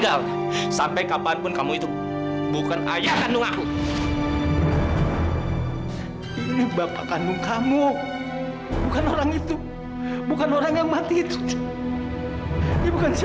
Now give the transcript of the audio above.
allah akan memberikan